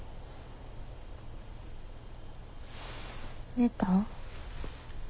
寝た？